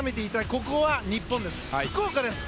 ここは日本です福岡です。